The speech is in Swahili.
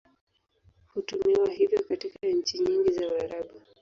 Hutumiwa hivyo katika nchi nyingi za Waarabu.